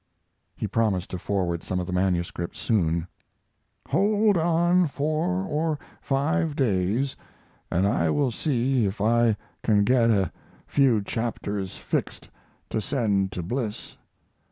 He promised to forward some of the manuscript soon. Hold on four or five days and I will see if I can get a few chapters fixed to send to Bliss....